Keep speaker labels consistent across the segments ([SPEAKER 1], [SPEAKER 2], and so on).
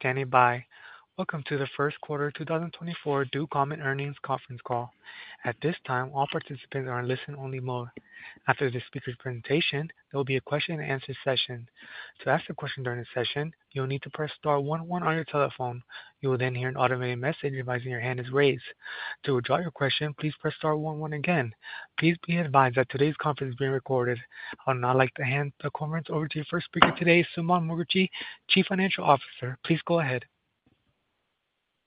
[SPEAKER 1] standing by. Welcome to the first quarter 2024 Ducommun earnings conference call. At this time, all participants are in listen-only mode. After this speaker's presentation, there will be a question-and-answer session. To ask a question during the session, you'll need to press star 11 on your telephone. You will then hear an automated message advising your hand is raised. To withdraw your question, please press star 11 again. Please be advised that today's conference is being recorded. I would now like to hand the conference over to your first speaker today, Suman Mookerji, Chief Financial Officer. Please go ahead.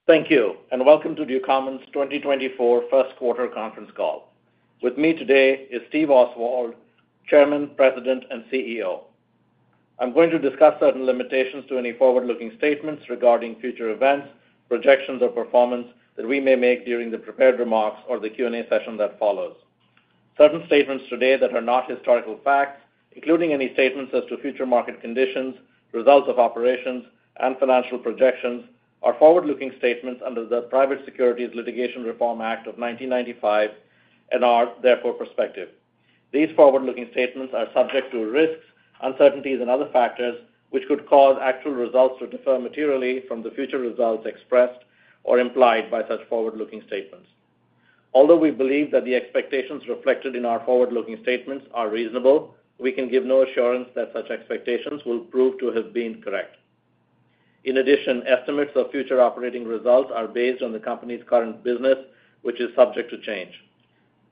[SPEAKER 2] Thank you, and welcome to Ducommun's 2024 first quarter conference call. With me today is Steve Oswald, Chairman, President, and CEO. I'm going to discuss certain limitations to any forward-looking statements regarding future events, projections, or performance that we may make during the prepared remarks or the Q&A session that follows. Certain statements today that are not historical facts, including any statements as to future market conditions, results of operations, and financial projections, are forward-looking statements under the Private Securities Litigation Reform Act of 1995 and are therefore prospective. These forward-looking statements are subject to risks, uncertainties, and other factors which could cause actual results to differ materially from the future results expressed or implied by such forward-looking statements. Although we believe that the expectations reflected in our forward-looking statements are reasonable, we can give no assurance that such expectations will prove to have been correct. In addition, estimates of future operating results are based on the company's current business, which is subject to change.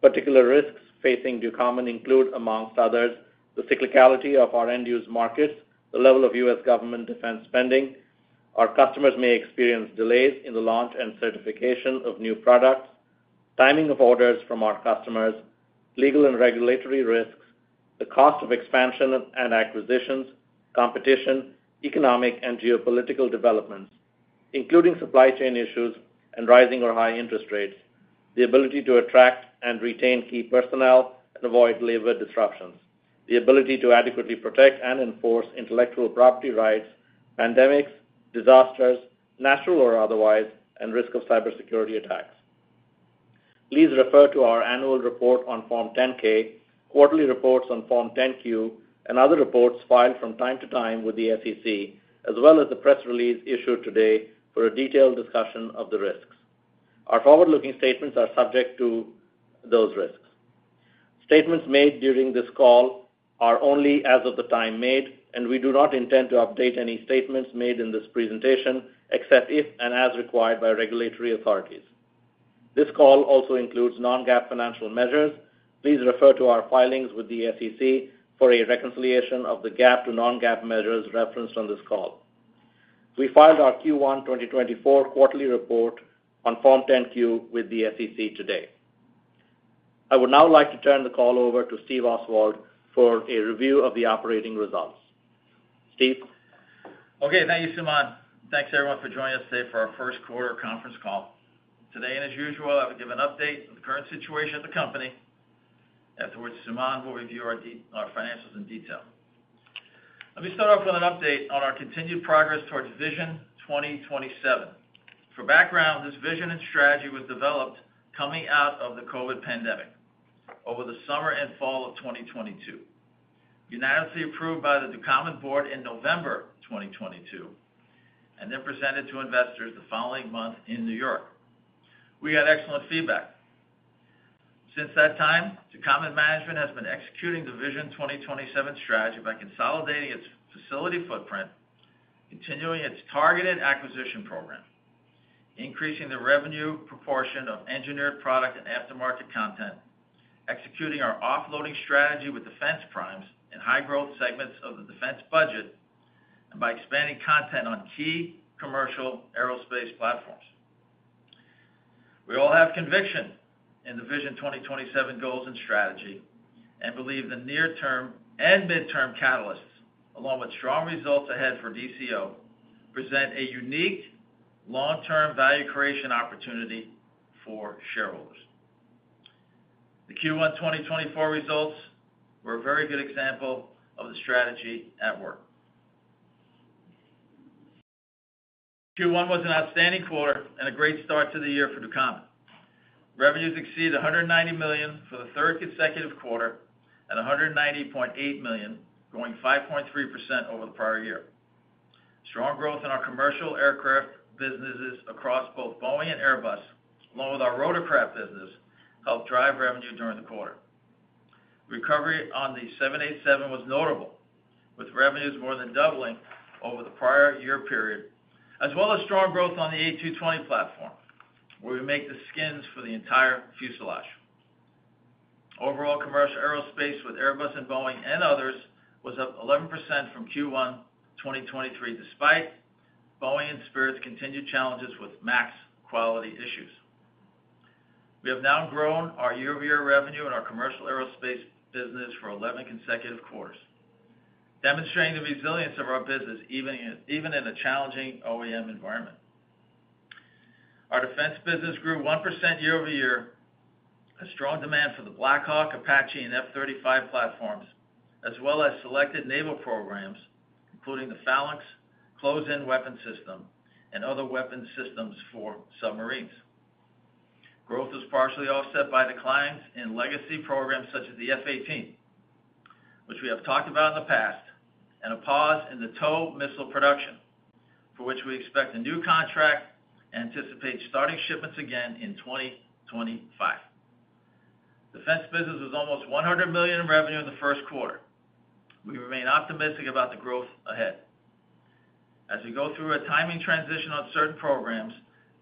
[SPEAKER 2] Particular risks facing Ducommun include, among others, the cyclicality of our end-use markets, the level of U.S. government defense spending, our customers may experience delays in the launch and certification of new products, timing of orders from our customers, legal and regulatory risks, the cost of expansion and acquisitions, competition, economic and geopolitical developments, including supply chain issues and rising or high interest rates, the ability to attract and retain key personnel and avoid labor disruptions, the ability to adequately protect and enforce intellectual property rights, pandemics, disasters, natural or otherwise, and risk of cybersecurity attacks. Please refer to our annual report on Form 10-K, quarterly reports on Form 10-Q, and other reports filed from time to time with the SEC, as well as the press release issued today for a detailed discussion of the risks. Our forward-looking statements are subject to those risks. Statements made during this call are only as of the time made, and we do not intend to update any statements made in this presentation except if and as required by regulatory authorities. This call also includes non-GAAP financial measures. Please refer to our filings with the SEC for a reconciliation of the GAAP to non-GAAP measures referenced on this call. We filed our Q1 2024 quarterly report on Form 10-Q with the SEC today. I would now like to turn the call over to Steve Oswald for a review of the operating results. Steve.
[SPEAKER 3] Okay. Thank you, Suman. Thanks, everyone, for joining us today for our first quarter conference call. Today, and as usual, I will give an update on the current situation at the company. Afterwards, Suman will review our financials in detail. Let me start off with an update on our continued progress towards Vision 2027. For background, this vision and strategy was developed coming out of the COVID pandemic over the summer and fall of 2022, unanimously approved by the Ducommun board in November 2022, and then presented to investors the following month in New York. We got excellent feedback. Since that time, Ducommun management has been executing the Vision 2027 strategy by consolidating its facility footprint, continuing its targeted acquisition program, increasing the revenue proportion of engineered product and aftermarket content, executing our offloading strategy with defense primes in high-growth segments of the defense budget, and by expanding content on key commercial aerospace platforms. We all have conviction in the Vision 2027 goals and strategy and believe the near-term and mid-term catalysts, along with strong results ahead for DCO, present a unique long-term value creation opportunity for shareholders. The Q1 2024 results were a very good example of the strategy at work. Q1 was an outstanding quarter and a great start to the year for Ducommun. Revenues exceeded $190 million for the third consecutive quarter and $190.8 million, growing 5.3% over the prior year. Strong growth in our commercial aircraft businesses across both Boeing and Airbus, along with our rotorcraft business, helped drive revenue during the quarter. Recovery on the 787 was notable, with revenues more than doubling over the prior year period, as well as strong growth on the A220 platform, where we make the skins for the entire fuselage. Overall, commercial aerospace with Airbus and Boeing and others was up 11% from Q1 2023 despite Boeing and Spirit's continued challenges with max quality issues. We have now grown our year-over-year revenue in our commercial aerospace business for 11 consecutive quarters, demonstrating the resilience of our business even in a challenging OEM environment. Our defense business grew 1% year-over-year, with strong demand for the Black Hawk, Apache, and F-35 platforms, as well as selected naval programs, including the Phalanx close-in weapon system and other weapon systems for submarines. Growth was partially offset by declines in legacy programs such as the F/A-18, which we have talked about in the past, and a pause in the TOW missile production, for which we expect a new contract and anticipate starting shipments again in 2025. Defense business was almost $100 million in revenue in the first quarter. We remain optimistic about the growth ahead. As we go through a timing transition on certain programs,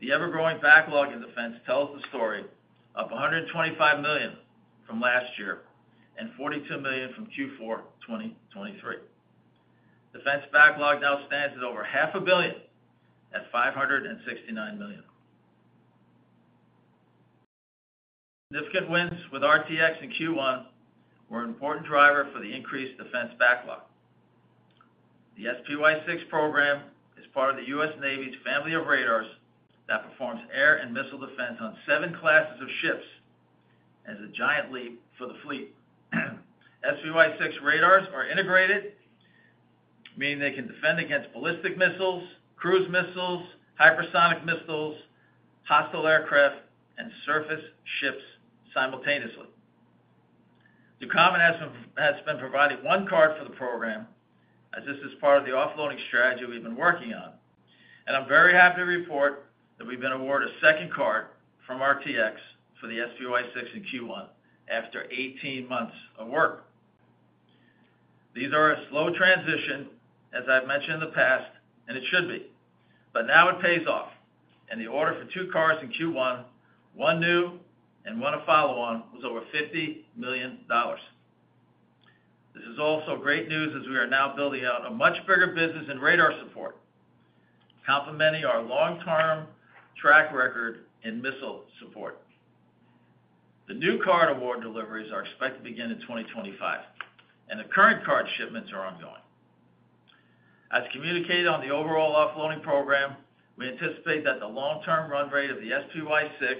[SPEAKER 3] the ever-growing backlog in defense tells the story, up $125 million from last year and $42 million from Q4 2023. Defense backlog now stands at over $500 million, at $569 million. Significant wins with RTX in Q1 were an important driver for the increased defense backlog. The SPY-6 program is part of the U.S. Navy's family of radars that performs air and missile defense on seven classes of ships, as a giant leap for the fleet. SPY-6 radars are integrated, meaning they can defend against ballistic missiles, cruise missiles, hypersonic missiles, hostile aircraft, and surface ships simultaneously. Ducommun has been providing one card for the program, as this is part of the offloading strategy we've been working on. I'm very happy to report that we've been awarded a second card from RTX for the SPY-6 in Q1 after 18 months of work. These are a slow transition, as I've mentioned in the past, and it should be. Now it pays off. The order for two cards in Q1, one new and one a follow-on, was over $50 million. This is also great news as we are now building out a much bigger business in radar support, complementing our long-term track record in missile support. The new card award deliveries are expected to begin in 2025, and the current card shipments are ongoing. As communicated on the overall offloading program, we anticipate that the long-term run rate of the SPY-6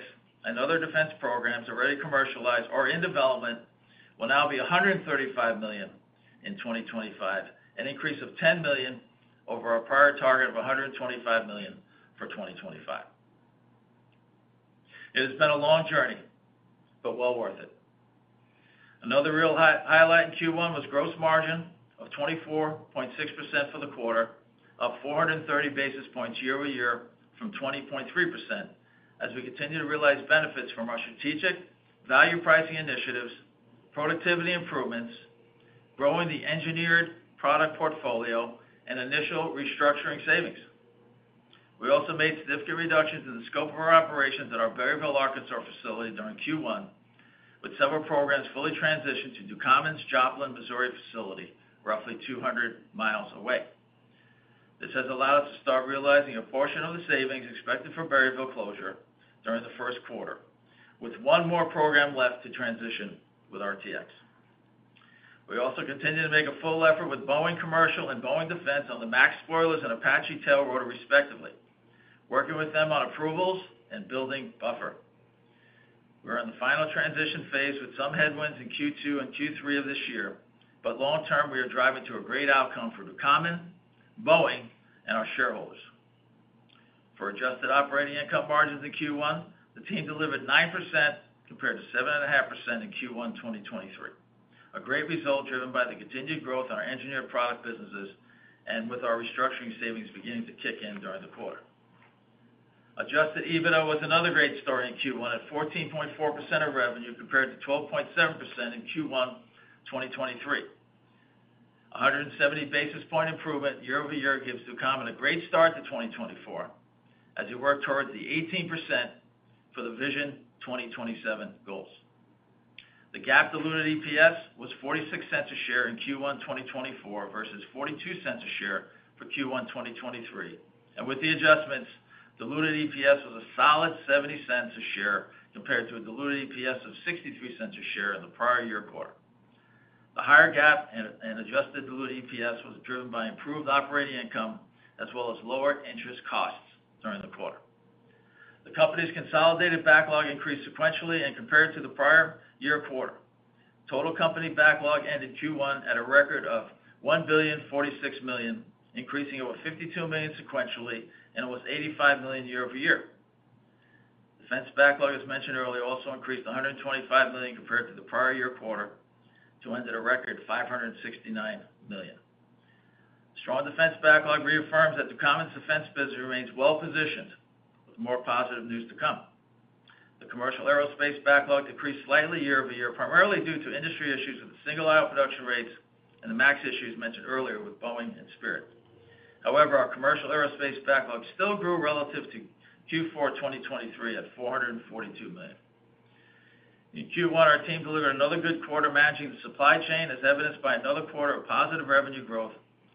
[SPEAKER 3] and other defense programs already commercialized or in development will now be $135 million in 2025, an increase of $10 million over our prior target of $125 million for 2025. It has been a long journey, but well worth it. Another real highlight in Q1 was gross margin of 24.6% for the quarter, up 430 basis points year-over-year from 20.3%, as we continue to realize benefits from our strategic value pricing initiatives, productivity improvements, growing the engineered product portfolio, and initial restructuring savings. We also made significant reductions in the scope of our operations at our Berryville, Arkansas facility during Q1, with several programs fully transitioned to Ducommun's Joplin, Missouri facility, roughly 200 miles away. This has allowed us to start realizing a portion of the savings expected for Berryville closure during the first quarter, with one more program left to transition with RTX. We also continue to make a full effort with Boeing Commercial and Boeing Defense on the MAX spoilers and Apache tail rotor, respectively, working with them on approvals and building buffer. We are in the final transition phase with some headwinds in Q2 and Q3 of this year. But long-term, we are driving to a great outcome for Ducommun, Boeing, and our shareholders. For adjusted operating income margins in Q1, the team delivered 9% compared to 7.5% in Q1 2023, a great result driven by the continued growth in our engineered product businesses and with our restructuring savings beginning to kick in during the quarter. Adjusted EBITDA was another great story in Q1, at 14.4% of revenue compared to 12.7% in Q1 2023. 170 basis point improvement year over year gives Ducommun a great start to 2024 as we work towards the 18% for the Vision 2027 goals. The GAAP diluted EPS was $0.46 a share in Q1 2024 versus $0.42 a share for Q1 2023. And with the adjustments, diluted EPS was a solid $0.70 a share compared to a diluted EPS of $0.63 a share in the prior year quarter. The higher GAAP and adjusted diluted EPS was driven by improved operating income as well as lower interest costs during the quarter. The company's consolidated backlog increased sequentially and compared to the prior year quarter. Total company backlog ended Q1 at a record of $1.046 billion, increasing over $52 million sequentially, and it was $85 million year over year. Defense backlog, as mentioned earlier, also increased $125 million compared to the prior year quarter to end at a record of $569 million. Strong defense backlog reaffirms that Ducommun's defense business remains well positioned with more positive news to come. The commercial aerospace backlog decreased slightly year-over-year, primarily due to industry issues with the single aisle production rates and the MAX issues mentioned earlier with Boeing and Spirit. However, our commercial aerospace backlog still grew relative to Q4 2023 at $442 million. In Q1, our team delivered another good quarter managing the supply chain, as evidenced by another quarter of positive revenue growth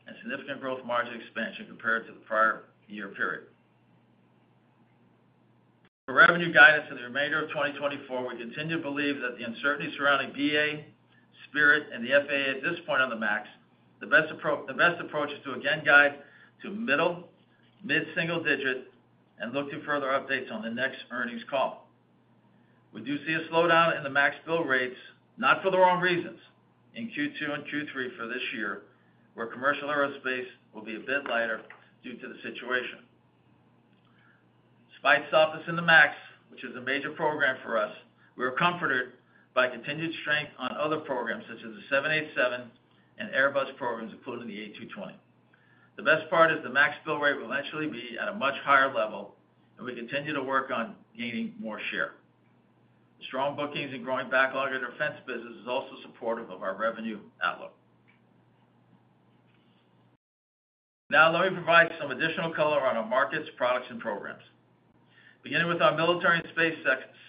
[SPEAKER 3] and significant growth margin expansion compared to the prior year period. For revenue guidance in the remainder of 2024, we continue to believe that the uncertainty surrounding BA, Spirit, and the FAA at this point on the MAX, the best approach is to again guide to mid-single-digit, and look to further updates on the next earnings call. We do see a slowdown in the MAX build rates, not for the wrong reasons, in Q2 and Q3 for this year, where commercial aerospace will be a bit lighter due to the situation. Despite softness in the MAX, which is a major program for us, we are comforted by continued strength on other programs such as the 787 and Airbus programs, including the A220. The best part is the MAX build rate will eventually be at a much higher level, and we continue to work on gaining more share. The strong bookings and growing backlog in our defense business is also supportive of our revenue outlook. Now, let me provide some additional color on our markets, products, and programs. Beginning with our military and space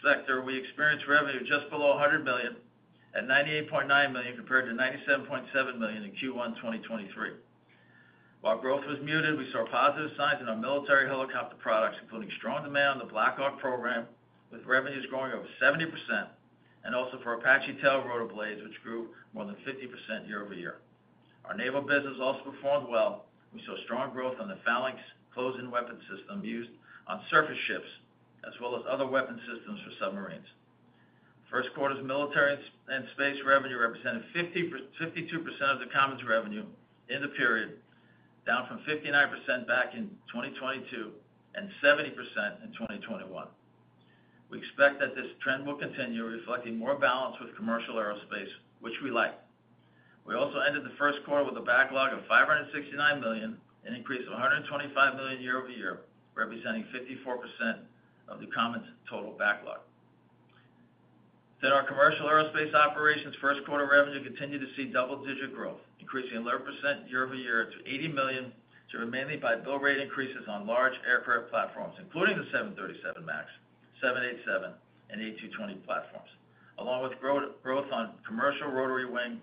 [SPEAKER 3] sector, we experienced revenue just below $100 million, at $98.9 million compared to $97.7 million in Q1 2023. While growth was muted, we saw positive signs in our military helicopter products, including strong demand on the Black Hawk program, with revenues growing over 70%, and also for Apache tail rotor blades, which grew more than 50% year-over-year. Our naval business also performed well. We saw strong growth on the Phalanx close-in weapon system used on surface ships, as well as other weapon systems for submarines. First quarter's military and space revenue represented 52% of Ducommun's revenue in the period, down from 59% back in 2022 and 70% in 2021. We expect that this trend will continue, reflecting more balance with commercial aerospace, which we like. We also ended the first quarter with a backlog of $569 million, an increase of $125 million year-over-year, representing 54% of Ducommun's total backlog. Within our commercial aerospace operations, first quarter revenue continued to see double-digit growth, increasing 11% year-over-year to $80 million, driven mainly by build rate increases on large aircraft platforms, including the 737 MAX, 787, and A220 platforms, along with growth on commercial rotary wing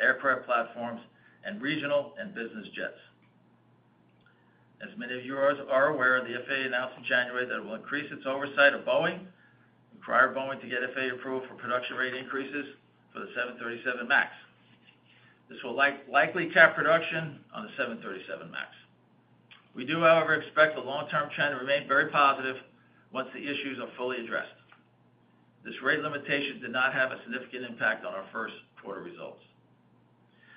[SPEAKER 3] aircraft platforms and regional and business jets. As many of you are aware, the FAA announced in January that it will increase its oversight of Boeing and require Boeing to get FAA approval for production rate increases for the 737 MAX. This will likely cap production on the 737 MAX. We do, however, expect the long-term trend to remain very positive once the issues are fully addressed. This rate limitation did not have a significant impact on our first quarter results.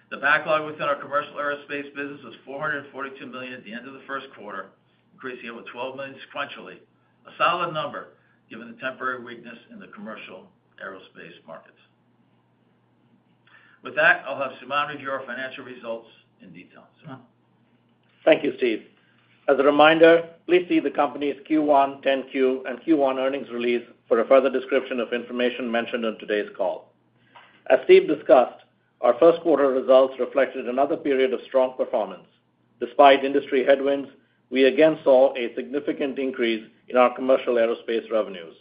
[SPEAKER 3] The backlog within our commercial aerospace business was $442 million at the end of the first quarter, increasing over $12 million sequentially, a solid number given the temporary weakness in the commercial aerospace markets. With that, I'll have Suman review our financial results in detail. Suman.
[SPEAKER 2] Thank you, Steve. As a reminder, please see the company's Q1, 10-Q, and Q1 earnings release for a further description of information mentioned on today's call. As Steve discussed, our first quarter results reflected another period of strong performance. Despite industry headwinds, we again saw a significant increase in our commercial aerospace revenues.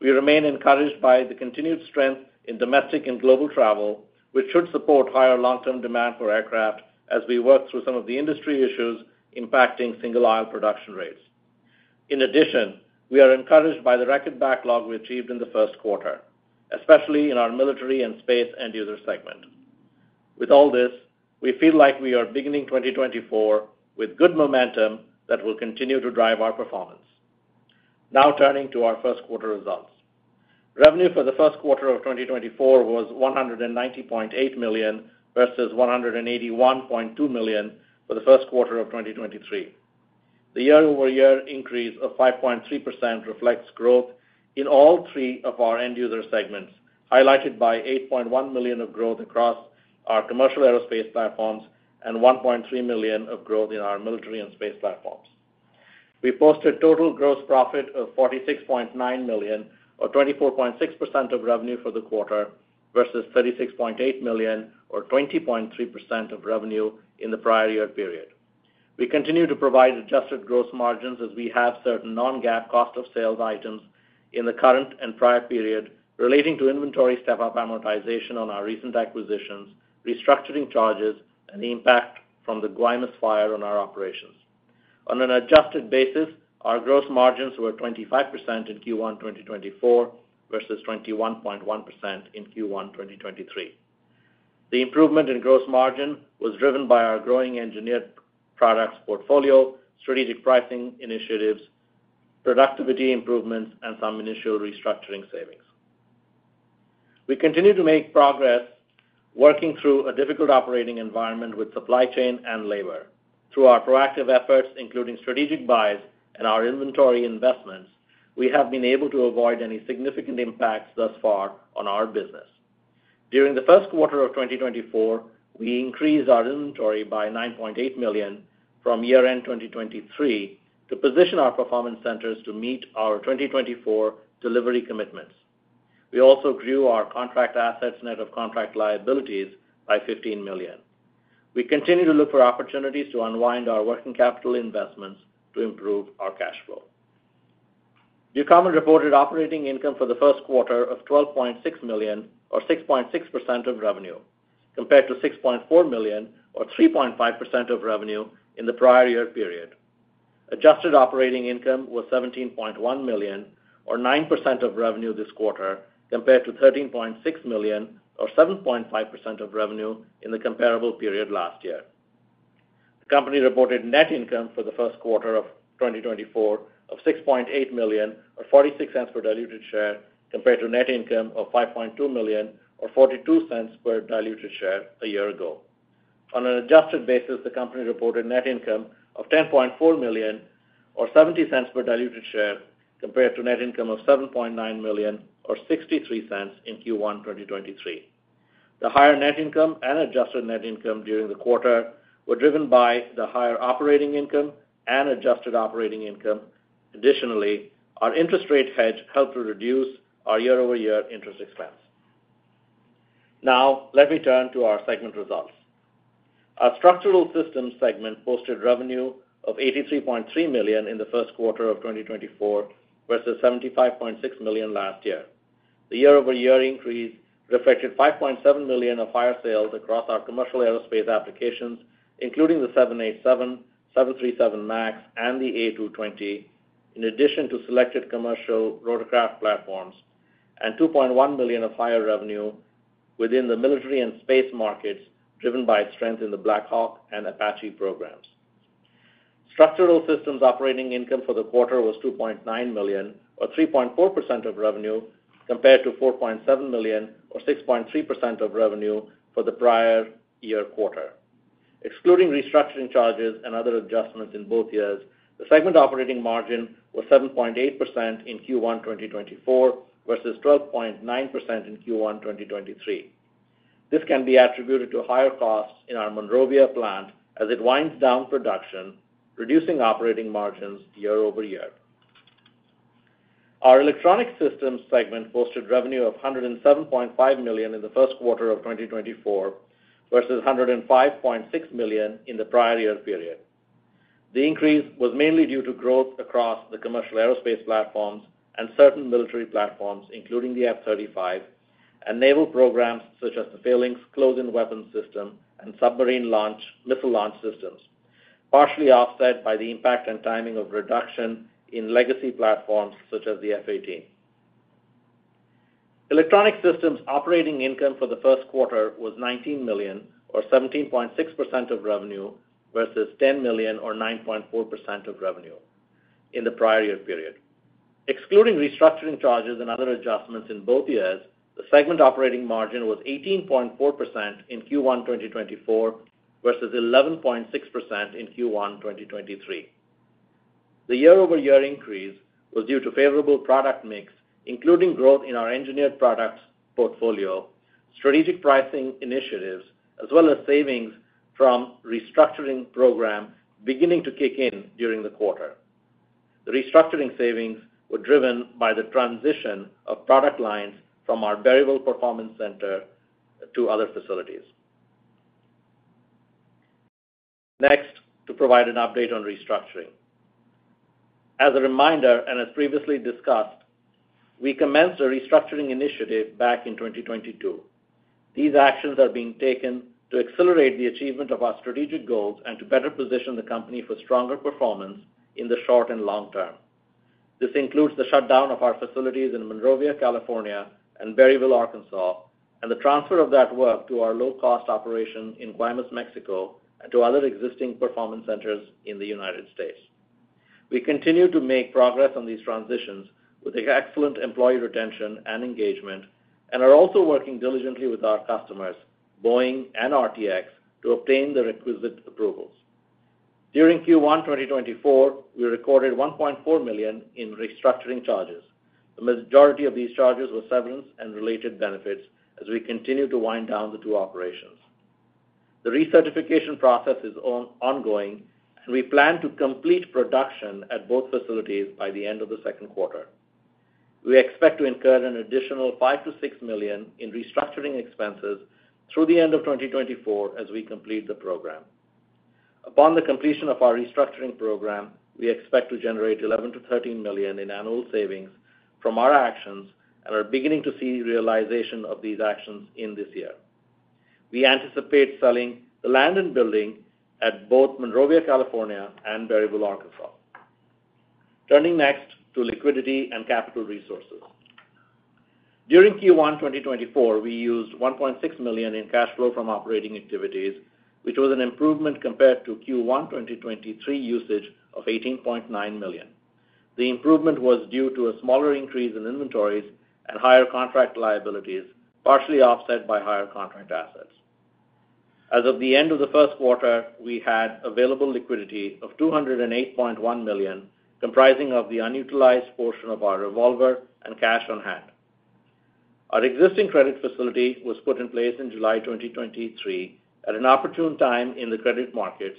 [SPEAKER 2] We remain encouraged by the continued strength in domestic and global travel, which should support higher long-term demand for aircraft as we work through some of the industry issues impacting single aisle production rates. In addition, we are encouraged by the record backlog we achieved in the first quarter, especially in our military and space end-user segment. With all this, we feel like we are beginning 2024 with good momentum that will continue to drive our performance. Now, turning to our first quarter results. Revenue for the first quarter of 2024 was $190.8 million versus $181.2 million for the first quarter of 2023. The year-over-year increase of 5.3% reflects growth in all three of our end-user segments, highlighted by $8.1 million of growth across our commercial aerospace platforms and $1.3 million of growth in our military and space platforms. We posted total gross profit of $46.9 million, or 24.6% of revenue for the quarter, versus $36.8 million, or 20.3% of revenue in the prior year period. We continue to provide adjusted gross margins as we have certain non-GAAP cost of sales items in the current and prior period relating to inventory step-up amortization on our recent acquisitions, restructuring charges, and the impact from the Guaymas fire on our operations. On an adjusted basis, our gross margins were 25% in Q1 2024 versus 21.1% in Q1 2023. The improvement in gross margin was driven by our growing engineered products portfolio, strategic pricing initiatives, productivity improvements, and some initial restructuring savings. We continue to make progress working through a difficult operating environment with supply chain and labor. Through our proactive efforts, including strategic buys and our inventory investments, we have been able to avoid any significant impacts thus far on our business. During the first quarter of 2024, we increased our inventory by $9.8 million from year-end 2023 to position our performance centers to meet our 2024 delivery commitments. We also grew our contract assets net of contract liabilities by $15 million. We continue to look for opportunities to unwind our working capital investments to improve our cash flow. Ducommun reported operating income for the first quarter of $12.6 million, or 6.6% of revenue, compared to $6.4 million, or 3.5% of revenue in the prior year period. Adjusted operating income was $17.1 million, or 9% of revenue this quarter, compared to $13.6 million, or 7.5% of revenue in the comparable period last year. The company reported net income for the first quarter of 2024 of $6.8 million, or $0.46 per diluted share, compared to net income of $5.2 million, or $0.42 per diluted share a year ago. On an adjusted basis, the company reported net income of $10.4 million, or $0.70 per diluted share, compared to net income of $7.9 million, or $0.63 in Q1 2023. The higher net income and adjusted net income during the quarter were driven by the higher operating income and adjusted operating income. Additionally, our interest rate hedge helped to reduce our year-over-year interest expense. Now, let me turn to our segment results. Our Structural Systems segment posted revenue of $83.3 million in the first quarter of 2024 versus $75.6 million last year. The year-over-year increase reflected $5.7 million of higher sales across our commercial aerospace applications, including the 787, 737 MAX, and the A220, in addition to selected commercial rotorcraft platforms and $2.1 million of higher revenue within the military and space markets, driven by strength in the Black Hawk and Apache programs. Structural Systems operating income for the quarter was $2.9 million, or 3.4% of revenue, compared to $4.7 million, or 6.3% of revenue for the prior year quarter. Excluding restructuring charges and other adjustments in both years, the segment operating margin was 7.8% in Q1 2024 versus 12.9% in Q1 2023. This can be attributed to higher costs in our Monrovia plant as it winds down production, reducing operating margins year-over-year. Our Electronic Systems segment posted revenue of $107.5 million in the first quarter of 2024 versus $105.6 million in the prior year period. The increase was mainly due to growth across the commercial aerospace platforms and certain military platforms, including the F-35, and naval programs such as the Phalanx close-in weapon system and submarine launch missile launch systems, partially offset by the impact and timing of reduction in legacy platforms such as the F/A-18. Electronic Systems operating income for the first quarter was $19 million, or 17.6% of revenue, versus $10 million, or 9.4% of revenue in the prior year period. Excluding restructuring charges and other adjustments in both years, the segment operating margin was 18.4% in Q1 2024 versus 11.6% in Q1 2023. The year-over-year increase was due to favorable product mix, including growth in our Engineered Products portfolio, strategic pricing initiatives, as well as savings from restructuring programs beginning to kick in during the quarter. The restructuring savings were driven by the transition of product lines from our Monrovia performance center to other facilities. Next, to provide an update on restructuring. As a reminder, and as previously discussed, we commenced a restructuring initiative back in 2022. These actions are being taken to accelerate the achievement of our strategic goals and to better position the company for stronger performance in the short and long term. This includes the shutdown of our facilities in Monrovia, California, and Berryville, Arkansas, and the transfer of that work to our low-cost operation in Guaymas, Mexico, and to other existing performance centers in the United States. We continue to make progress on these transitions with excellent employee retention and engagement and are also working diligently with our customers, Boeing and RTX, to obtain the requisite approvals. During Q1 2024, we recorded $1.4 million in restructuring charges. The majority of these charges were severance and related benefits as we continue to wind down the two operations. The recertification process is ongoing, and we plan to complete production at both facilities by the end of the second quarter. We expect to incur an additional $5-$6 million in restructuring expenses through the end of 2024 as we complete the program. Upon the completion of our restructuring program, we expect to generate $11-$13 million in annual savings from our actions and are beginning to see realization of these actions in this year. We anticipate selling the land and building at both Monrovia, California, and Berryville, Arkansas. Turning next to liquidity and capital resources. During Q1 2024, we used $1.6 million in cash flow from operating activities, which was an improvement compared to Q1 2023 usage of $18.9 million. The improvement was due to a smaller increase in inventories and higher contract liabilities, partially offset by higher contract assets. As of the end of the first quarter, we had available liquidity of $208.1 million, comprising the unutilized portion of our revolver and cash on hand. Our existing credit facility was put in place in July 2023 at an opportune time in the credit markets,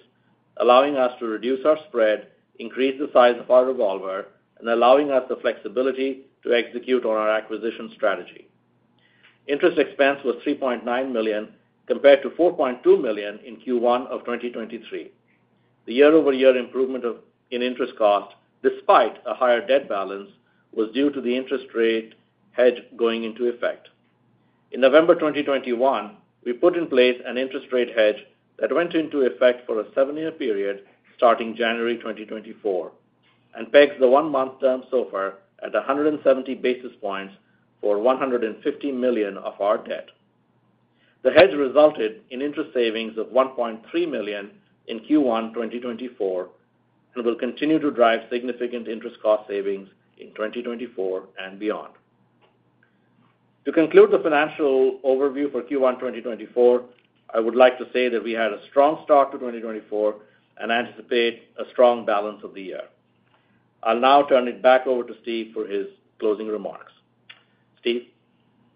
[SPEAKER 2] allowing us to reduce our spread, increase the size of our revolver, and allowing us the flexibility to execute on our acquisition strategy. Interest expense was $3.9 million compared to $4.2 million in Q1 of 2023. The year-over-year improvement in interest cost, despite a higher debt balance, was due to the interest rate hedge going into effect. In November 2021, we put in place an interest rate hedge that went into effect for a 7-year period starting January 2024 and pegs the 1-month Term SOFR at 170 basis points for $150 million of our debt. The hedge resulted in interest savings of $1.3 million in Q1 2024 and will continue to drive significant interest cost savings in 2024 and beyond. To conclude the financial overview for Q1 2024, I would like to say that we had a strong start to 2024 and anticipate a strong balance of the year. I'll now turn it back over to Steve for his closing remarks. Steve.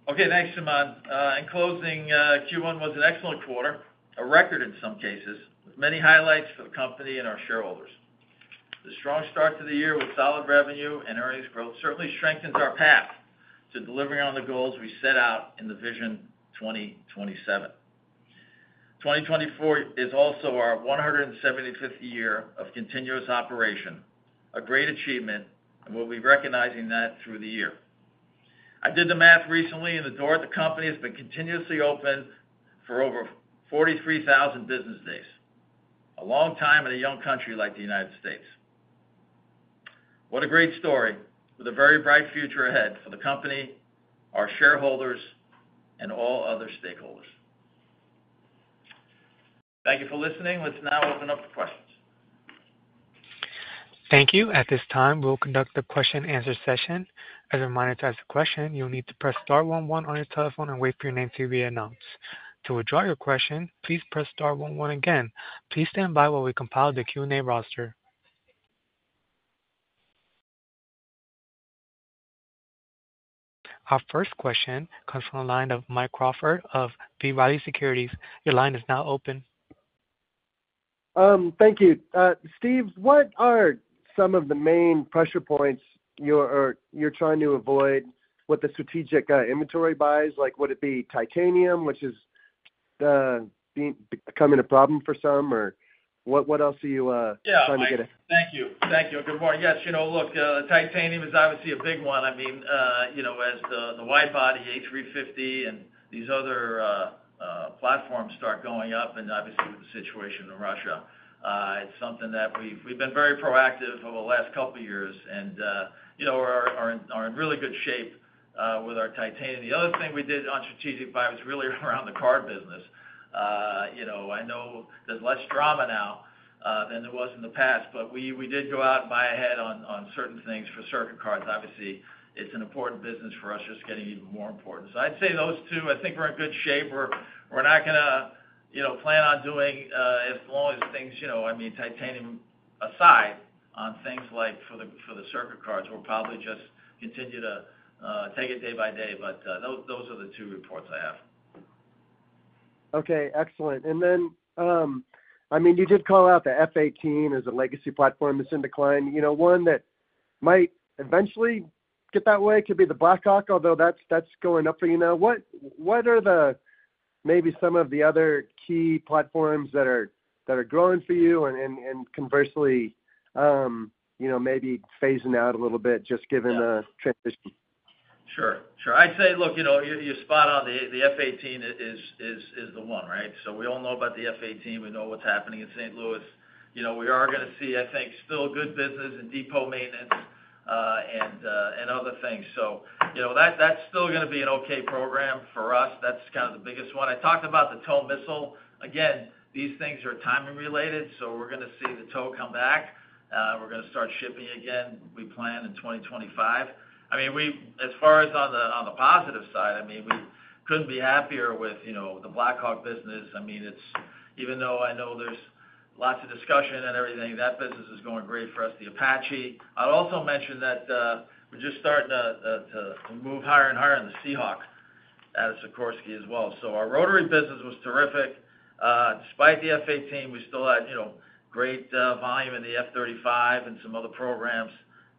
[SPEAKER 3] Okay. Thanks, Suman. In closing, Q1 was an excellent quarter, a record in some cases, with many highlights for the company and our shareholders. The strong start to the year with solid revenue and earnings growth certainly strengthens our path to delivering on the goals we set out in the Vision 2027. 2024 is also our 175th year of continuous operation, a great achievement, and we'll be recognizing that through the year. I did the math recently, and the door at the company has been continuously open for over 43,000 business days, a long time in a young country like the United States. What a great story with a very bright future ahead for the company, our shareholders, and all other stakeholders. Thank you for listening. Let's now open up for questions.
[SPEAKER 1] Thank you. At this time, we'll conduct the question-and-answer session. As a reminder, to ask a question, you'll need to press Star 11 on your telephone and wait for your name to be announced. To withdraw your question, please press Star 11 again. Please stand by while we compile the Q&A roster. Our first question comes from a line of Mike Crawford of B. Riley Securities. Your line is now open.
[SPEAKER 4] Thank you. Steve, what are some of the main pressure points you're trying to avoid with the strategic inventory buys? Would it be titanium, which is becoming a problem for some, or what else are you trying to get away from?
[SPEAKER 3] Yeah. Thank you. Thank you. Good morning. Yes. Look, titanium is obviously a big one. I mean, as the wide-body A350 and these other platforms start going up, and obviously with the situation in Russia, it's something that we've been very proactive over the last couple of years and are in really good shape with our titanium. The other thing we did on strategic buy was really around the card business. I know there's less drama now than there was in the past, but we did go out and buy ahead on certain things for circuit cards. Obviously, it's an important business for us, just getting even more important. So I'd say those two, I think we're in good shape. We're not going to plan on doing as long as things. I mean, titanium aside on things like for the circuit cards, we'll probably just continue to take it day by day. But those are the two reports I have.
[SPEAKER 4] Okay. Excellent. And then, I mean, you did call out the F/A-18 as a legacy platform that's in decline. One that might eventually get that way could be the Black Hawk, although that's going up for you now. What are maybe some of the other key platforms that are growing for you and conversely maybe phasing out a little bit just given the transition?
[SPEAKER 3] Sure. Sure. I'd say, look, you're spot on. The F/A-18 is the one, right? So we all know about the F/A-18. We know what's happening in St. Louis. We are going to see, I think, still good business in depot maintenance and other things. So that's still going to be an okay program for us. That's kind of the biggest one. I talked about the TOW missile. Again, these things are timing-related, so we're going to see the TOW come back. We're going to start shipping again, we plan, in 2025. I mean, as far as on the positive side, I mean, we couldn't be happier with the Black Hawk business. I mean, even though I know there's lots of discussion and everything, that business is going great for us, the Apache. I'd also mention that we're just starting to move higher and higher in the Seahawk at Sikorsky as well. So our rotary business was terrific. Despite the F/A-18, we still had great volume in the F-35 and some other programs.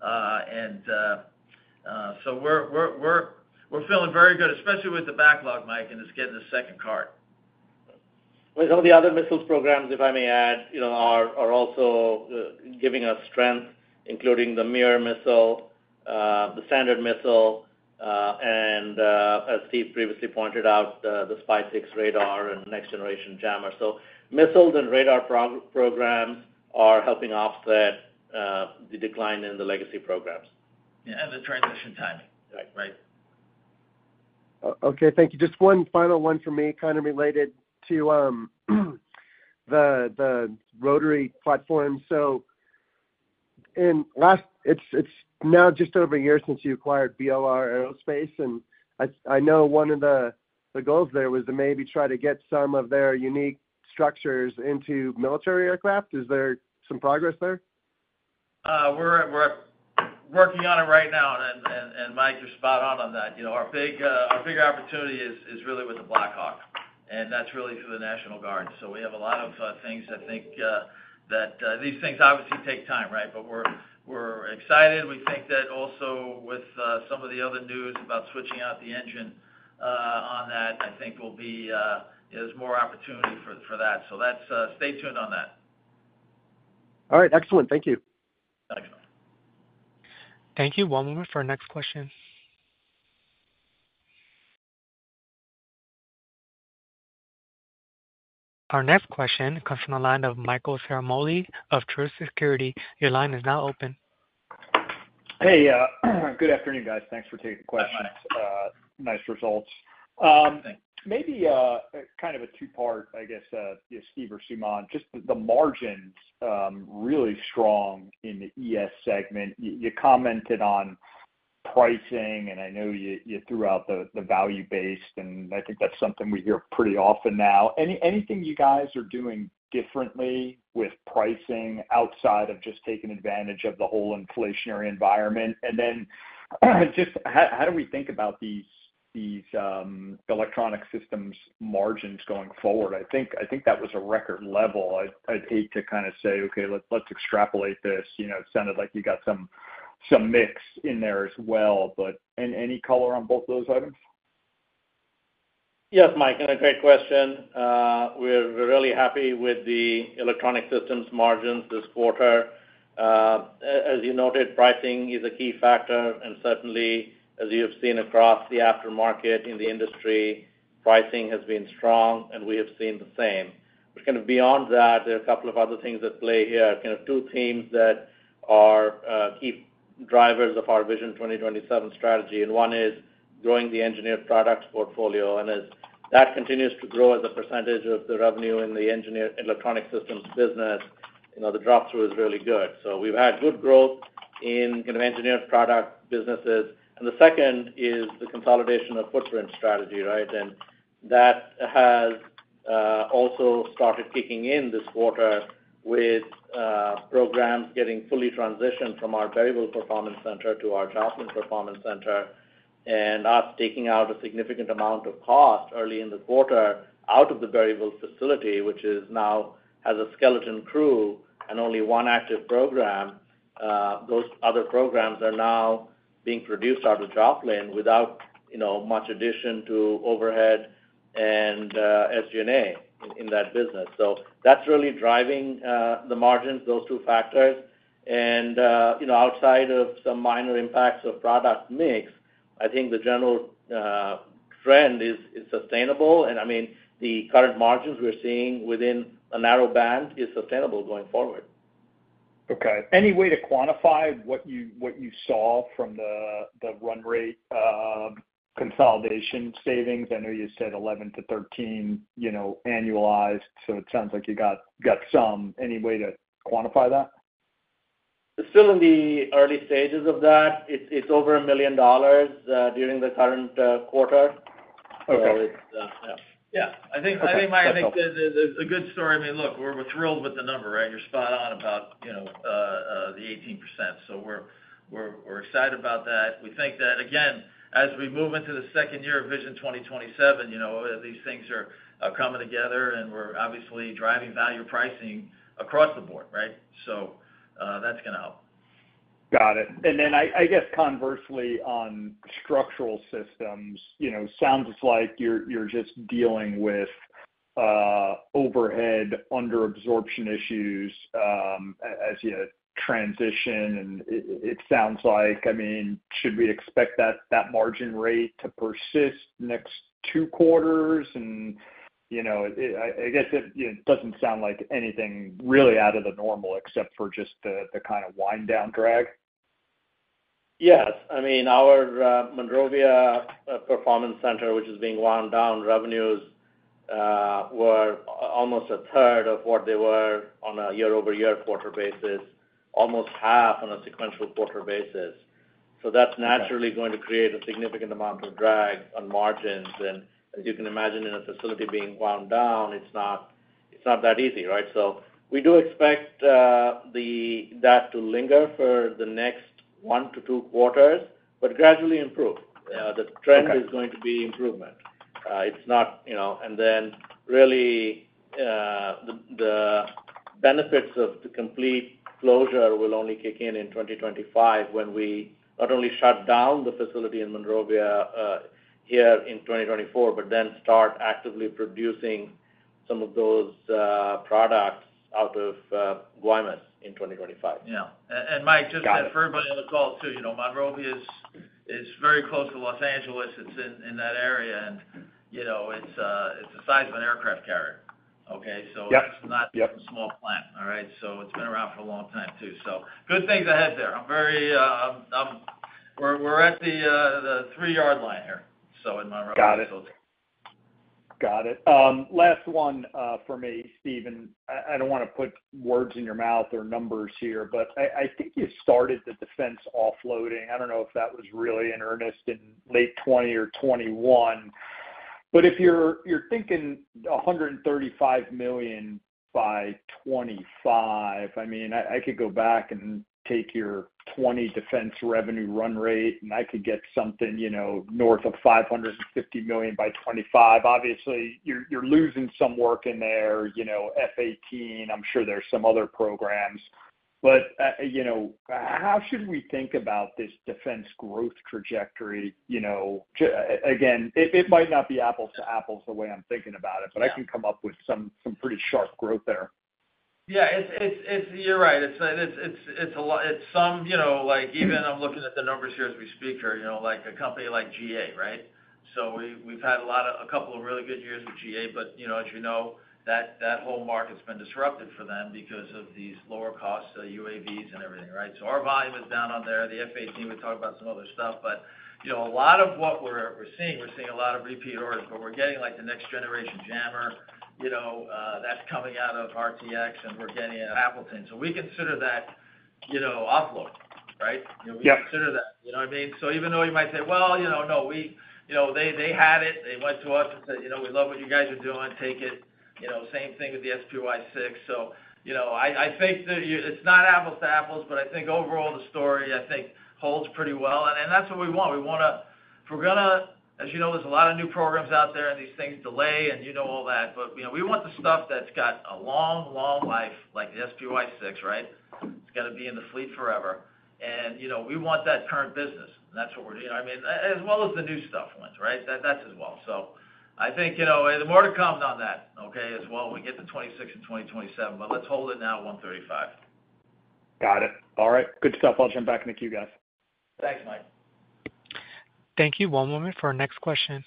[SPEAKER 3] And so we're feeling very good, especially with the backlog, Mike, and just getting the second contract.
[SPEAKER 2] All the other missiles programs, if I may add, are also giving us strength, including the MIR missile, the Standard Missile, and as Steve previously pointed out, the SPY-6 radar and next generation Jammer. So missiles and radar programs are helping offset the decline in the legacy programs.
[SPEAKER 3] Yeah. And the transition timing. Right.
[SPEAKER 4] Right. Okay. Thank you. Just one final one from me, kind of related to the rotary platforms. So it's now just over a year since you acquired BLR Aerospace, and I know one of the goals there was to maybe try to get some of their unique structures into military aircraft. Is there some progress there?
[SPEAKER 3] We're working on it right now. And Mike, you're spot on on that. Our bigger opportunity is really with the Black Hawk, and that's really through the National Guard. So we have a lot of things, I think, that these things obviously take time, right? But we're excited. We think that also with some of the other news about switching out the engine on that, I think there's more opportunity for that. So stay tuned on that.
[SPEAKER 4] All right. Excellent. Thank you.
[SPEAKER 3] Thanks.
[SPEAKER 1] Thank you. One moment for our next question. Our next question comes from a line of Michael Ciarmoli of Truist Securities. Your line is now open.
[SPEAKER 5] Hey. Good afternoon, guys. Thanks for taking the questions. Nice results. Maybe kind of a two-part, I guess, Steve or Suman. Just the margins, really strong in the ES segment. You commented on pricing, and I know you threw out the value-based, and I think that's something we hear pretty often now. Anything you guys are doing differently with pricing outside of just taking advantage of the whole inflationary environment? And then just how do we think about these electronic systems margins going forward? I think that was a record level. I'd hate to kind of say, "Okay. Let's extrapolate this." It sounded like you got some mix in there as well. But any color on both those items?
[SPEAKER 2] Yes, Mike. And a great question. We're really happy with the electronic systems margins this quarter. As you noted, pricing is a key factor. Certainly, as you have seen across the aftermarket in the industry, pricing has been strong, and we have seen the same. But kind of beyond that, there are a couple of other things at play here, kind of two themes that are key drivers of our Vision 2027 strategy. And one is growing the Engineered Products portfolio. And as that continues to grow as a percentage of the revenue in the Electronic Systems business, the drop-through is really good. So we've had good growth in kind of Engineered Products businesses. And the second is the consolidation of footprint strategy, right? And that has also started kicking in this quarter with programs getting fully transitioned from our Berryville Performance Center to our Joplin Performance Center and us taking out a significant amount of cost early in the quarter out of the Berryville facility, which now has a skeleton crew and only one active program. Those other programs are now being produced out of Joplin without much addition to overhead and SG&A in that business. So that's really driving the margins, those two factors. And outside of some minor impacts of product mix, I think the general trend is sustainable. And I mean, the current margins we're seeing within a narrow band is sustainable going forward.
[SPEAKER 5] Okay. Any way to quantify what you saw from the run rate consolidation savings? I know you said 11-13 annualized, so it sounds like you got some. Any way to quantify that?
[SPEAKER 2] Still in the early stages of that. It's over $1 million during the current quarter.
[SPEAKER 3] So it's, yeah. Yeah. I think, Mike, I think it's a good story. I mean, look, we're thrilled with the number, right? You're spot on about the 18%. So we're excited about that. We think that, again, as we move into the second year of Vision 2027, these things are coming together, and we're obviously driving value pricing across the board, right? So that's going to help.
[SPEAKER 5] Got it. And then I guess conversely, on Structural Systems, sounds like you're just dealing with overhead under absorption issues as you transition, it sounds like. I mean, should we expect that margin rate to persist next two quarters? And I guess it doesn't sound like anything really out of the normal except for just the kind of wind-down drag.
[SPEAKER 2] Yes. I mean, our Monrovia Performance Center, which is being wound down, revenues were almost a third of what they were on a year-over-year quarter basis, almost half on a sequential quarter basis. So that's naturally going to create a significant amount of drag on margins. And as you can imagine, in a facility being wound down, it's not that easy, right? So we do expect that to linger for the next one to two quarters but gradually improve. The trend is going to be improvement. It's not and then really, the benefits of the complete closure will only kick in in 2025 when we not only shut down the facility in Monrovia here in 2024 but then start actively producing some of those products out of Guaymas in 2025.
[SPEAKER 3] Yeah. And Mike, just for everybody on the call too, Monrovia is very close to Los Angeles. It's in that area, and it's the size of an aircraft carrier, okay? So it's not a small plant, all right? So it's been around for a long time too. So good things ahead there. We're at the three yard line here, so in Monrovia.
[SPEAKER 5] Got it. Got it. Last one for me, Stephen. I don't want to put words in your mouth or numbers here, but I think you started the defense offloading. I don't know if that was really in earnest in late 2020 or 2021. But if you're thinking $135 million by 2025, I mean, I could go back and take your 2020 defense revenue run rate, and I could get something north of $550 million by 2025. Obviously, you're losing some work in there, F/A-18. I'm sure there's some other programs. But how should we think about this defense growth trajectory? Again, it might not be apples to apples the way I'm thinking about it, but I can come up with some pretty sharp growth there.
[SPEAKER 3] Yeah. You're right. It's some. Even I'm looking at the numbers here as we speak here, like a company like GA, right? So we've had a couple of really good years with GA. But as you know, that whole market's been disrupted for them because of these lower costs of UAVs and everything, right? So our volume is down on there. The F/A-18, we talked about some other stuff. But a lot of what we're seeing, we're seeing a lot of repeat orders, but we're getting the Next Generation Jammer that's coming out of RTX, and we're getting Appleton. So we consider that offload, right? We consider that. You know what I mean? So even though you might say, "Well, no. They had it. They went to us and said, "We love what you guys are doing. Take it." Same thing with the SPY-6. So I think that it's not apples to apples, but I think overall, the story, I think, holds pretty well. And that's what we want. We want to—as you know, there's a lot of new programs out there, and these things delay, and you know all that. But we want the stuff that's got a long, long life, like the SPY-6, right? It's got to be in the fleet forever. And we want that current business, and that's what we're doing. You know what I mean? As well as the new stuff went, right? That's as well. So I think there's more to come on that, okay, as well when we get to 2026 and 2027. But let's hold it now at 135.
[SPEAKER 5] Got it. All right. Good stuff. I'll jump back and kick you guys.
[SPEAKER 3] Thanks, Mike.
[SPEAKER 1] Thank you. One moment for our next question.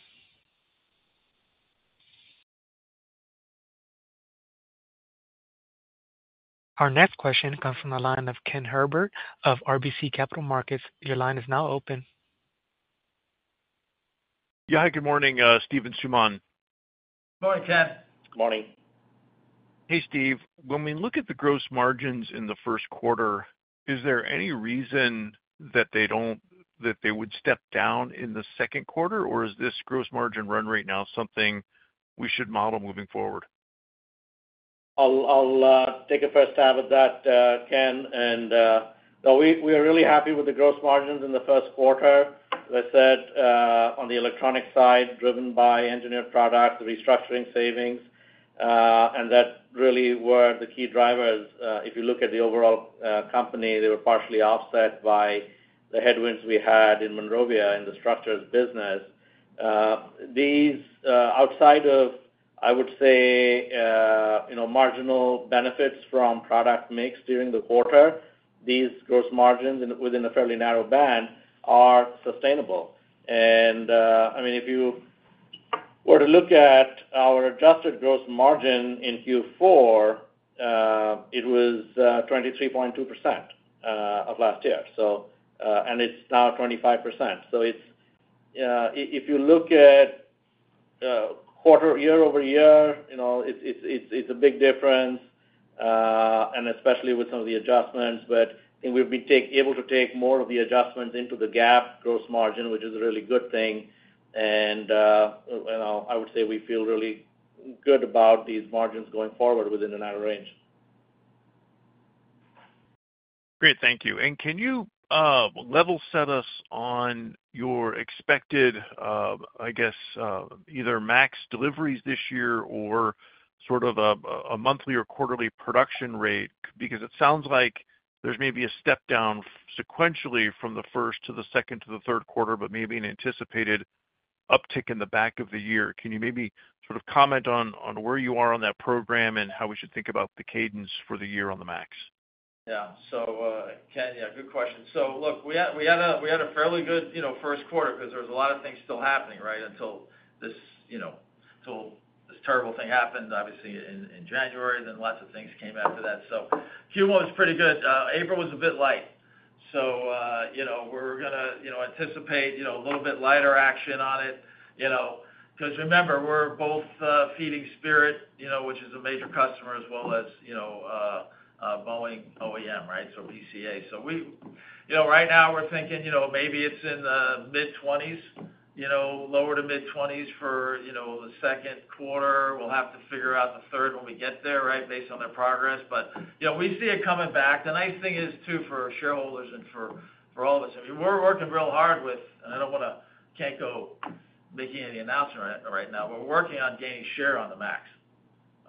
[SPEAKER 1] Our next question comes from a line of Ken Herbert of RBC Capital Markets. Your line is now open.
[SPEAKER 6] Yeah. Hi. Good morning, Steve and Suman. Morning, Ken. Morning. Hey, Steve. When we look at the gross margins in the first quarter, is there any reason that they would step down in the second quarter, or is this gross margin run rate now something we should model moving forward?
[SPEAKER 2] I'll take a first stab at that, Ken. And no, we are really happy with the gross margins in the first quarter, as I said, on the electronic side, driven by engineered products, the restructuring savings. And that really were the key drivers. If you look at the overall company, they were partially offset by the headwinds we had in Monrovia in the structures business.
[SPEAKER 3] Outside of, I would say, marginal benefits from product mix during the quarter, these gross margins within a fairly narrow band are sustainable. And I mean, if you were to look at our adjusted gross margin in Q4, it was 23.2% of last year, and it's now 25%. So if you look at quarter-over-year, it's a big difference, and especially with some of the adjustments. But I think we've been able to take more of the adjustments into the GAAP gross margin, which is a really good thing. And I would say we feel really good about these margins going forward within a narrow range.
[SPEAKER 6] Great. Thank you. And can you level set us on your expected, I guess, either max deliveries this year or sort of a monthly or quarterly production rate? Because it sounds like there's maybe a step down sequentially from the first to the second to the third quarter, but maybe an anticipated uptick in the back of the year. Can you maybe sort of comment on where you are on that program and how we should think about the cadence for the year on the max?
[SPEAKER 3] Yeah. So yeah, good question. So look, we had a fairly good first quarter because there was a lot of things still happening, right, until this terrible thing happened, obviously, in January. Then lots of things came after that. So Q1 was pretty good. April was a bit light. So we're going to anticipate a little bit lighter action on it because remember, we're both feeding Spirit, which is a major customer, as well as Boeing OEM, right, so BCA. So right now, we're thinking maybe it's in the mid-20s, lower to mid-20s for the second quarter. We'll have to figure out the third when we get there, right, based on their progress. But we see it coming back. The nice thing is too for shareholders and for all of us, I mean, we're working real hard with and I don't want to can't go making any announcement right now. We're working on gaining share on the MAX,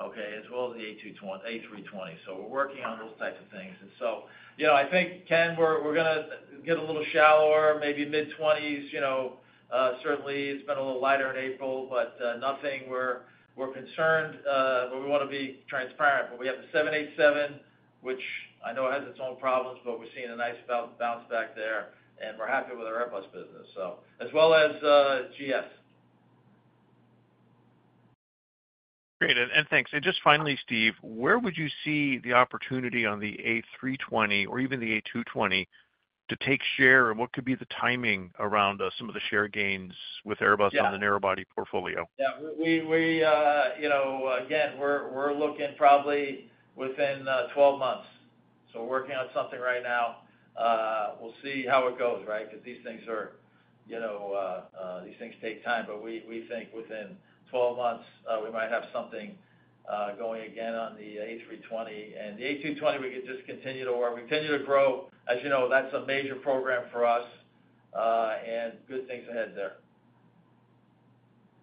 [SPEAKER 3] okay, as well as the A320. So we're working on those types of things. And so I think, Ken, we're going to get a little shallower, maybe mid-20s. Certainly, it's been a little lighter in April, but nothing we're concerned, but we want to be transparent. But we have the 787, which I know has its own problems, but we're seeing a nice bounce back there. We're happy with our Airbus business, as well as GS. Great.
[SPEAKER 6] Thanks. Just finally, Steve, where would you see the opportunity on the A320 or even the A220 to take share, and what could be the timing around some of the share gains with Airbus on the narrowbody portfolio?
[SPEAKER 3] Yeah. Again, we're looking probably within 12 months. So we're working on something right now. We'll see how it goes, right, because these things are these things take time. But we think within 12 months, we might have something going again on the A320. And the A220, we could just continue to work, continue to grow. As you know, that's a major program for us, and good things ahead there.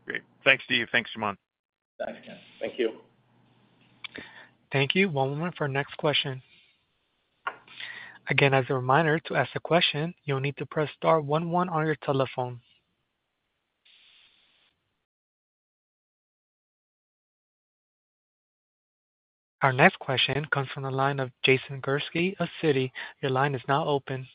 [SPEAKER 6] Great. Thanks, Steve. Thanks, Suman.
[SPEAKER 3] Thanks, Ken.
[SPEAKER 2] Thank you.
[SPEAKER 1] Thank you. One moment for our next question. Again, as a reminder, to ask a question, you'll need to press star 11 on your telephone. Our next question comes from a line of Jason Gursky of Citi. Your line is now open.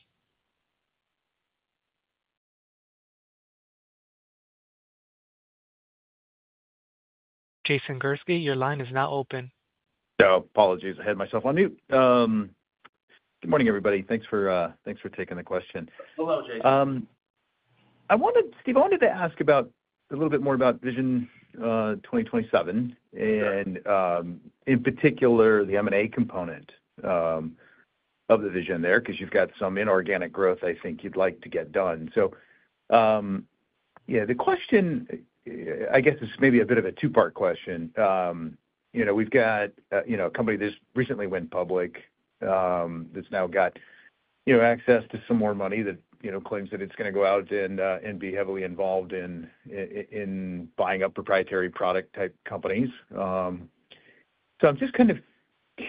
[SPEAKER 1] Jason Gursky, your line is now open.
[SPEAKER 7] So apologies. I had myself on mute. Good morning, everybody. Thanks for taking the question. Hello, Jason. Steve, I wanted to ask a little bit more about Vision 2027 and, in particular, the M&A component of the vision there because you've got some inorganic growth I think you'd like to get done. So yeah, the question, I guess, is maybe a bit of a two-part question. We've got a company that just recently went public that's now got access to some more money that claims that it's going to go out and be heavily involved in buying up proprietary product-type companies. So I'm just kind of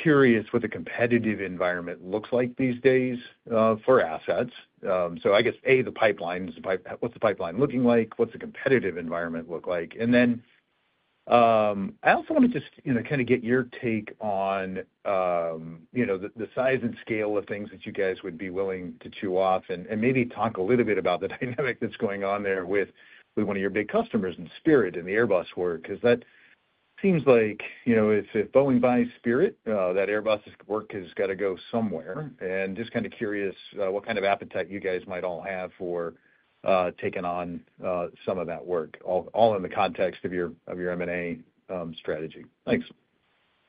[SPEAKER 7] curious what the competitive environment looks like these days for assets. So I guess, A, the pipelines. What's the pipeline looking like? What's the competitive environment look like? And then I also want to just kind of get your take on the size and scale of things that you guys would be willing to chew off and maybe talk a little bit about the dynamic that's going on there with one of your big customers in Spirit and the Airbus work because that seems like if Boeing buys Spirit, that Airbus work has got to go somewhere. And just kind of curious what kind of appetite you guys might all have for taking on some of that work, all in the context of your M&A strategy.
[SPEAKER 3] Thanks.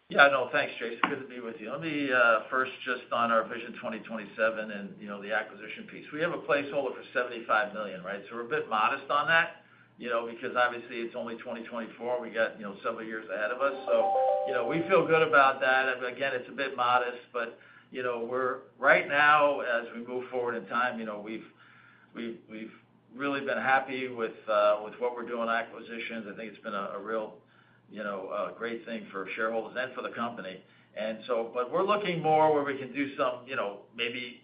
[SPEAKER 3] Yeah. No. Thanks, Jason. Good to be with you. Let me first just on our Vision 2027 and the acquisition piece. We have a placeholder for $75 million, right? So we're a bit modest on that because, obviously, it's only 2024. We got several years ahead of us. So we feel good about that. Again, it's a bit modest. But right now, as we move forward in time, we've really been happy with what we're doing on acquisitions. I think it's been a real great thing for shareholders and for the company. But we're looking more where we can do some maybe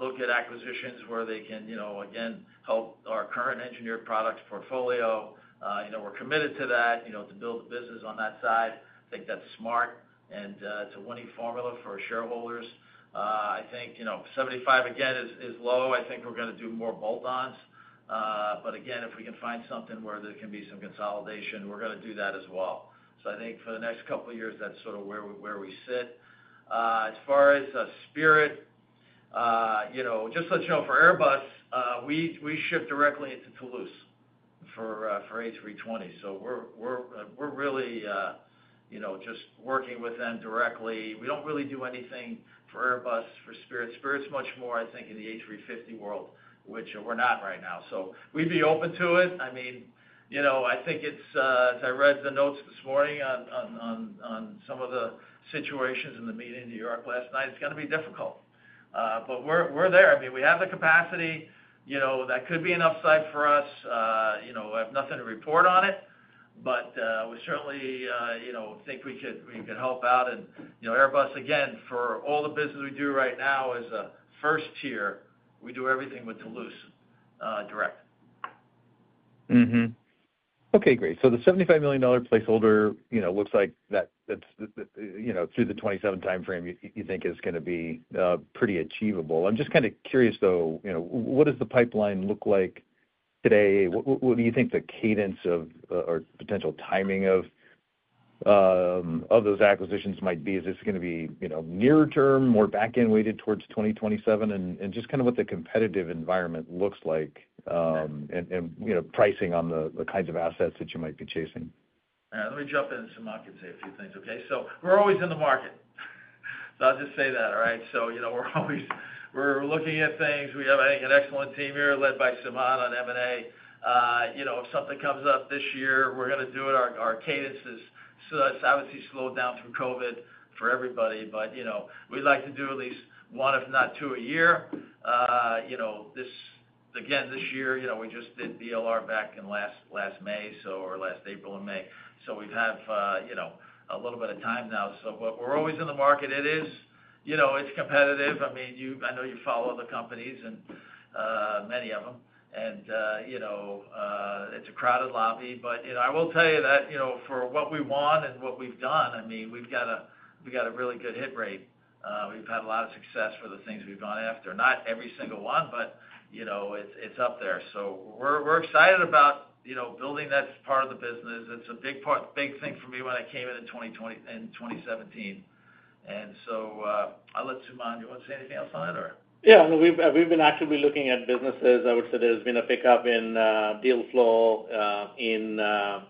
[SPEAKER 3] look at acquisitions where they can, again, help our current Engineered Products portfolio. We're committed to that, to build the business on that side. I think that's smart, and it's a winning formula for shareholders. I think 75, again, is low. I think we're going to do more bolt-ons. But again, if we can find something where there can be some consolidation, we're going to do that as well. So I think for the next couple of years, that's sort of where we sit. As far as Spirit, just to let you know, for Airbus, we ship directly into Toulouse for A320. So we're really just working with them directly. We don't really do anything for Airbus, for Spirit. Spirit's much more, I think, in the A350 world, which we're not right now. So we'd be open to it. I mean, I think it's as I read the notes this morning on some of the situations in the meeting in New York last night, it's going to be difficult. But we're there. I mean, we have the capacity. That could be an upside for us. I have nothing to report on it, but we certainly think we could help out. Airbus, again, for all the business we do right now as a first tier, we do everything with Toulouse direct.
[SPEAKER 7] Okay. Great. So the $75 million placeholder looks like that through the 2027 timeframe, you think is going to be pretty achievable. I'm just kind of curious, though. What does the pipeline look like today? What do you think the cadence or potential timing of those acquisitions might be? Is this going to be nearer term, more back-end weighted towards 2027, and just kind of what the competitive environment looks like and pricing on the kinds of assets that you might be chasing?
[SPEAKER 3] Let me jump in and Suman, I can say a few things, okay? So we're always in the market. So I'll just say that, all right? So we're always looking at things. We have, I think, an excellent team here led by Suman on M&A. If something comes up this year, we're going to do it. Our cadence has obviously slowed down through COVID for everybody, but we'd like to do at least one, if not two, a year. Again, this year, we just did BLR back in last May or last April and May. So we have a little bit of time now. So we're always in the market. It's competitive. I mean, I know you follow the companies, many of them, and it's a crowded lobby. But I will tell you that for what we want and what we've done, I mean, we've got a really good hit rate. We've had a lot of success for the things we've gone after, not every single one, but it's up there. So we're excited about building that part of the business. It's a big thing for me when I came in in 2017. And so I'll let Suman. Do you want to say anything else on it, or?
[SPEAKER 2] Yeah. No. We've been actively looking at businesses. I would say there has been a pickup in deal flow in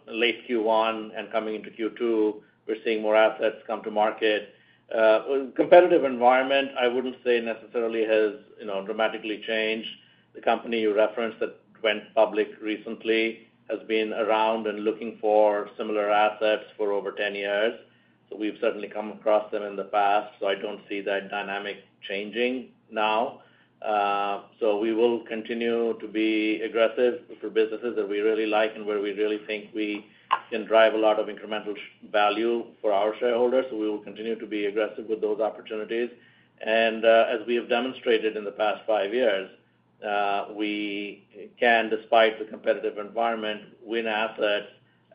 [SPEAKER 2] late Q1 and coming into Q2. We're seeing more assets come to market. Competitive environment, I wouldn't say necessarily has dramatically changed. The company you referenced that went public recently has been around and looking for similar assets for over 10 years. So we've certainly come across them in the past. So I don't see that dynamic changing now. So we will continue to be aggressive for businesses that we really like and where we really think we can drive a lot of incremental value for our shareholders. So we will continue to be aggressive with those opportunities. And as we have demonstrated in the past five years, we can, despite the competitive environment, win assets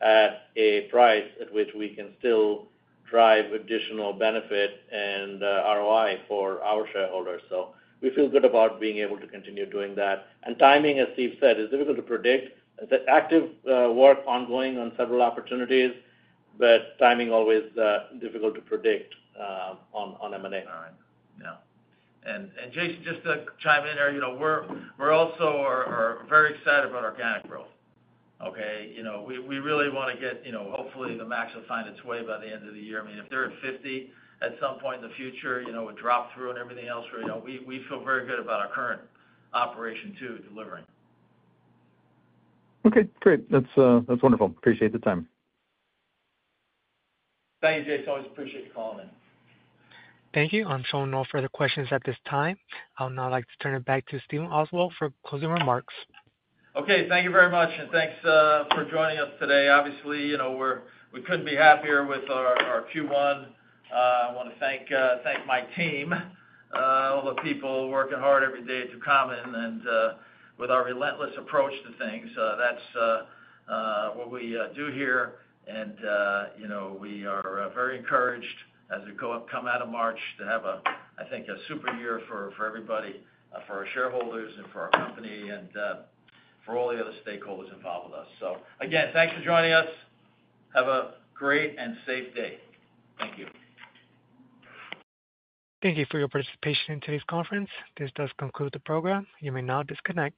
[SPEAKER 2] at a price at which we can still drive additional benefit and ROI for our shareholders. So we feel good about being able to continue doing that. And timing, as Steve said, is difficult to predict. It's active work ongoing on several opportunities, but timing always difficult to predict on M&A.
[SPEAKER 7] All right. Yeah.
[SPEAKER 3] And Jason, just to chime in there, we're also very excited about organic growth, okay? We really want to get, hopefully, the MAX will find its way by the end of the year. I mean, if they're at 50 at some point in the future, a drop through and everything else where we feel very good about our current operation too delivering.
[SPEAKER 7] Okay. Great. That's wonderful. Appreciate the time.
[SPEAKER 3] Thank you, Jason. Always appreciate you calling in.
[SPEAKER 1] Thank you. I'm showing no further questions at this time. I'll now like to turn it back to Stephen Oswald for closing remarks.
[SPEAKER 3] Okay. Thank you very much, and thanks for joining us today. Obviously, we couldn't be happier with our Q1. I want to thank my team, all the people working hard every day to come in and with our relentless approach to things. That's what we do here. And we are very encouraged as we come out of March to have, I think, a super year for everybody, for our shareholders and for our company and for all the other stakeholders involved with us. So again, thanks for joining us. Have a great and safe day. Thank you.
[SPEAKER 1] Thank you for your participation in today's conference. This does conclude the program. You may now disconnect.